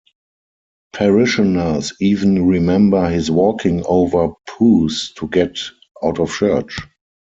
Parishioners even remember his walking over pews to get out of church.